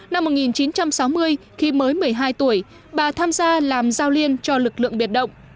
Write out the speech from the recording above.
năm một nghìn chín trăm sáu mươi khi mới một mươi hai tuổi bà tham gia làm giao liên cho lực lượng biệt động